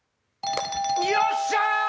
よっしゃ！